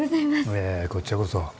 いやいやこっちゃこそ。